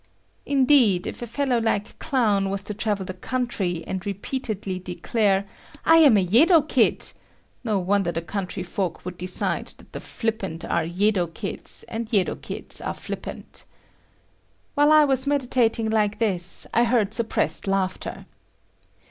Indeed, if a fellow like Clown was to travel the country and repeatedly declare "I am a Yedo kid," no wonder the country folk would decide that the flippant are Yedo kids and Yedo kids are flippant. While I was meditating like this, I heard suppressed laughter.